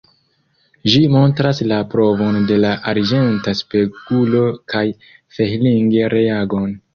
Ĝi montras la provon de la arĝenta spegulo kaj Fehling-reagon.